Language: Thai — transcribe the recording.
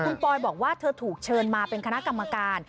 คุณปอยบอกว่าเธอถูกเชิญมาเป็นคณะกรรมการ